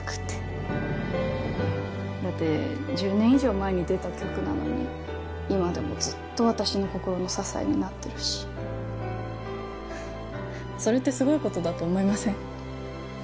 だって１０年以上前に出た曲なのに今でもずっと私の心の支えになってるしそれってすごいことだと思いません？